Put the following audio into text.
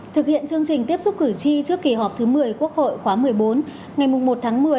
thực hiện chương trình tiếp xúc cử tri trước kỳ họp thứ một mươi quốc hội khóa một mươi bốn ngày một tháng một mươi